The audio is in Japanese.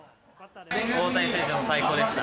大谷選手、最高でした。